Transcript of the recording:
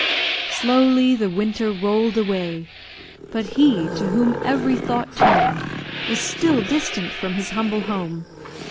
Slowly the winter rolled away; but he to whom every thought turned was still distant from his humble home.